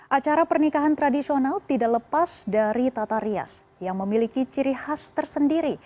acara pernikahan tradisional tidak lepas dari tata rias yang memiliki ciri khas tersendiri